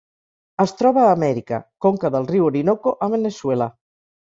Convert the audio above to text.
Es troba a Amèrica: conca del riu Orinoco a Veneçuela.